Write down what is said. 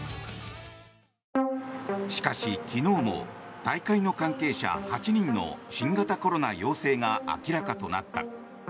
しかし、昨日も大会の関係者８人の新型コロナ陽性が明らかとなった。